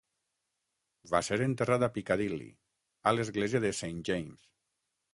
Va ser enterrat a Piccadilly, a l'Església de Saint James.